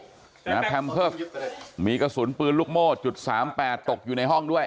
สำเร็จรูปนะครับมีกระสุนปืนลูกโม่จุดสามแปดตกอยู่ในห้องด้วย